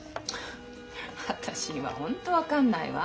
私には本当分かんないわ。